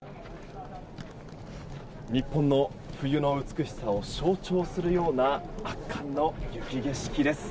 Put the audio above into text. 日本の冬の美しさを象徴するような圧巻の雪景色です。